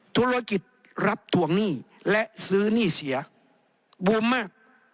ธุรกิจรับถวงหนี้และซื้อหนี้เสียบวมมาก